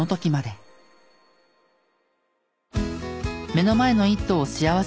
目の前の一頭を幸せにしよう。